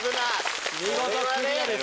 見事クリアです。